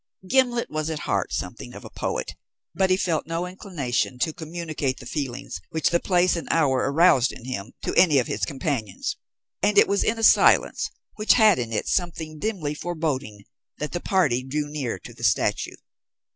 Gimblet was at heart something of a poet, but he felt no inclination to communicate the feelings which the place and hour aroused in him to any of his companions; and it was in a silence which had in it something dimly foreboding that the party drew near to the statue.